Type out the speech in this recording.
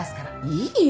いいよ。